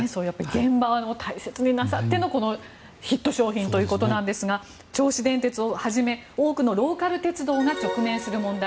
現場を大切になさってのこのヒット商品ということですが銚子電鉄をはじめ多くのローカル鉄道が直面する問題。